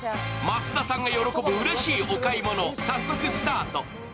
増田さんが喜ぶうれしいお買い物、早速スタート。